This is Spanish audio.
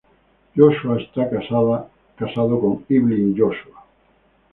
Joshua está casado con Evelyn Joshua.